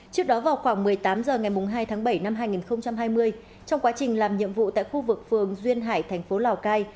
trước đó vào khoảng một mươi tám h ngày hai tháng bảy năm hai nghìn hai mươi trong quá trình làm nhiệm vụ tại khu vực phường duyên hải thành phố lào cai